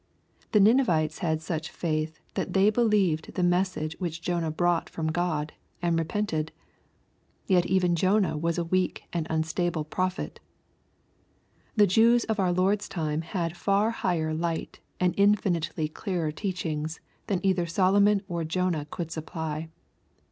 The Ninevites had such faith that they believed the message which Jonah brought from God, and repented. Yet even Jonah was a weak and unstable prophet. The Jews of our Lord's time had far higher light and infinitely clearer teachings than either Solomon or Jonah could supply.